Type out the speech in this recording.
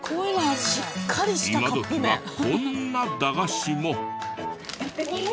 今どきはこんな駄菓子も。